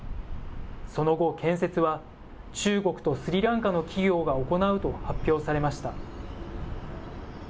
その後、建設は中国とスリランカの企業が行うと発表されました。